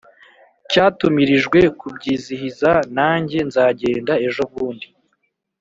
Cyatumirijwe kubyizihiza Na njye nzagenda ejobundi